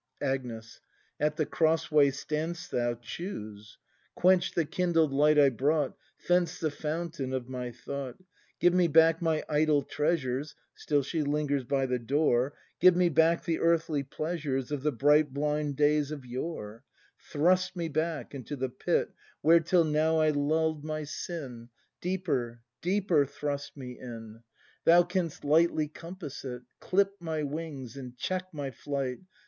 Agnes. At the cross way stand 'st thou: choose! Quench the kindled light I brought. Fence the fountain of my thought. Give me back my idol treasures (Still she lingers by the door). Give me back the earthly pleasures Of the bright, blind days of yore; Thrust me back into the pit Where till now I lulled my sin, Deeper, deeper thrust me in — ACT IV] BRAND 211 Thou canst lightly compass it; Clip my wings and check my flight.